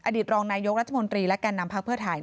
ตรองนายกรัฐมนตรีและแก่นำพักเพื่อไทย